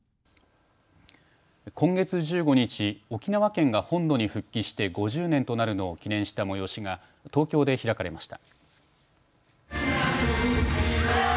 今月１５日、沖縄県が本土に復帰して５０年となるのを記念した催しが東京で開かれました。